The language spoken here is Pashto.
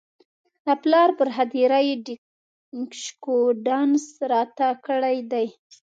د پلار پر هدیره یې ډیشکو ډانس راته کړی دی.